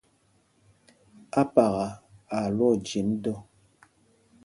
́Ápaka a lwɔɔ nɛ ɛjem dɔ.